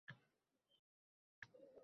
Qurmoq uchun berdi farmon